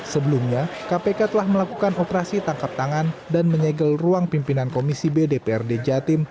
sebelumnya kpk telah melakukan operasi tangkap tangan dan menyegel ruang pimpinan komisi b dprd jatim